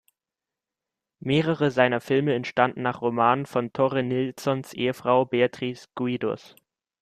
Mehrere seiner Filme entstanden nach Romanen von Torre Nilssons Ehefrau Beatriz Guidos.